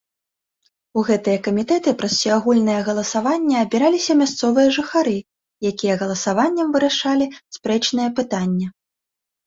У гэтыя камітэты праз усеагульнае галасаванне абіраліся мясцовыя жыхары, якія галасаваннем вырашалі спрэчнае пытанне.